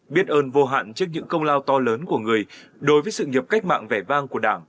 biết ơn vô hạn trước những công lao to lớn của người đối với sự nghiệp cách mạng vẻ vang của đảng